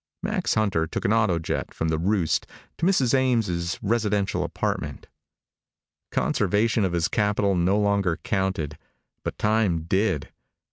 Max Hunter took an autojet from the Roost to Mrs. Ames' residential apartment. Conservation of his capital no longer counted, but time did.